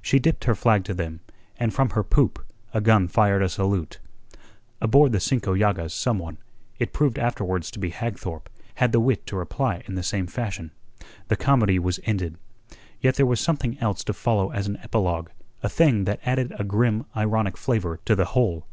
She dipped her flag to them, and from her poop a gun fired a salute. Aboard the Cinco Llagas some one it proved afterwards to be Hagthorpe had the wit to reply in the same fashion. The comedy was ended. Yet there was something else to follow as an epilogue, a thing that added a grim ironic flavour to the whole.